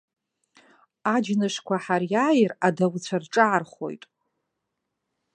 Аџьнышқәа ҳариааир, адауцәа рҿаархоит.